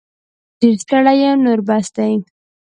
ډير ستړې یم نور بس دی